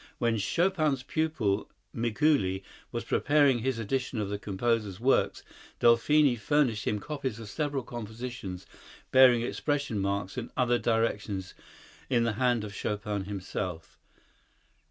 When Chopin's pupil, Mikuli, was preparing his edition of the composer's works, Delphine furnished him copies of several compositions bearing expression marks and other directions in the hand of Chopin himself.